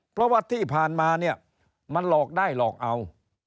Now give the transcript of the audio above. เพราะว่าที่ผ่านมาเนี่ยมันหลอกได้หลอกเอา